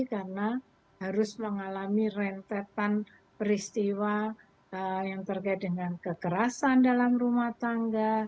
karena harus mengalami rentetan peristiwa yang terkait dengan kekerasan dalam rumah tangga